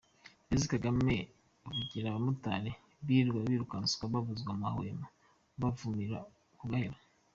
Mbese Kagame avugira abamotari birirwa birukanswa babuzwa amahwemo bamuvumira ku gahera ?